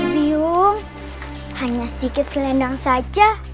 bingung hanya sedikit selendang saja